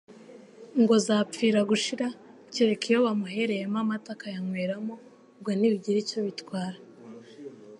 ngo zapfira gushira, kereka iyo bamuhereyemo amata akayanyweramo, ubwo ntibigira icyo bitwara